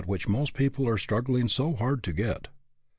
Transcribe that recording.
which most people are struggling so hard to get.